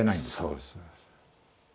そうですそうです。